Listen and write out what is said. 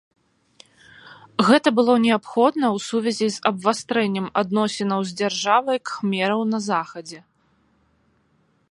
Гэта было неабходна ў сувязі з абвастрэннем адносінаў з дзяржавай кхмераў на захадзе.